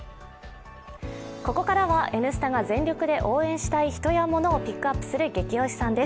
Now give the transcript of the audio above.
ここからは「Ｎスタ」が全力で応援したい人やモノをピックアップするゲキ推しさんです。